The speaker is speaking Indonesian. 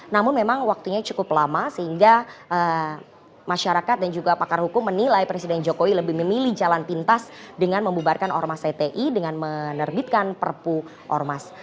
namun memang waktunya cukup lama sehingga masyarakat dan juga pakar hukum menilai presiden jokowi lebih memilih jalan pintas dengan membubarkan ormas hti dengan menerbitkan perpu ormas